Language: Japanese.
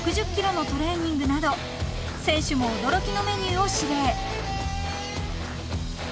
６０ｋｍのトレーニングなど選手も驚きのメニューを指令］